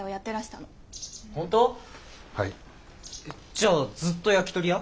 じゃあずっと焼きとり屋？